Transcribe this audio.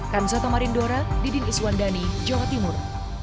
kamsa tomarindora didin iswandani jawa timur